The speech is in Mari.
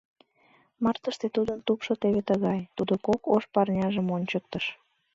Мартыште тудын тупшо теве тыгай, — тудо кок ош парняжым ончыктыш.